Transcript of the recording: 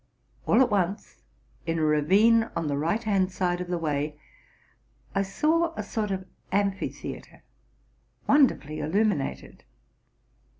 All at once, in a ravine on the right hand side of the way, I saw a sort of amphi theatre, wonderfully illuminated.